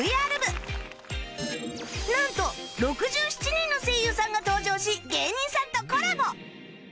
なんと６７人の声優さんが登場し芸人さんとコラボ！